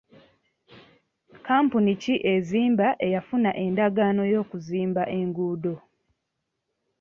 Kampuni ki ezimba eyafuna endagaano y'okuzimba enguudo?